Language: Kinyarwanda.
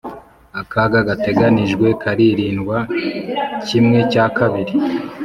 akaga gateganijwe karirindwa kimwe cya kabiri.